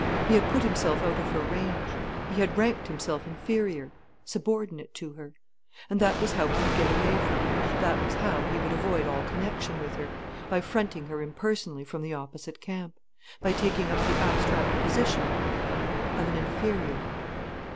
He had put himself out of her range. He had ranked himself inferior, subordinate to her. And that was how he would get away from her, that was how he would avoid all connection with her: by fronting her impersonally from the opposite camp, by taking up the abstract position of an inferior.